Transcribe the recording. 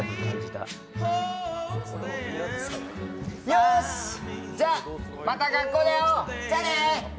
よーし、じゃ、また学校で会おう、じゃあね。